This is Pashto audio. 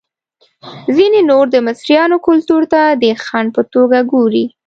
ځینې نور د مصریانو کلتور ته د خنډ په توګه ګوري.